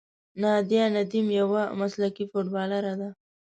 نادیه ندیم یوه مسلکي فوټبالره ده.